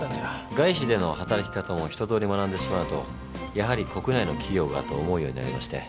外資での働き方も一とおり学んでしまうとやはり国内の企業がと思うようになりまして。